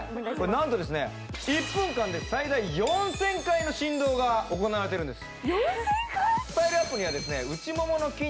なんと１分間に最大４０００回の振動が行われているんです。